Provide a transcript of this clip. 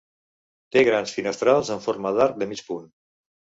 Té grans finestrals en forma d'arc de mig punt.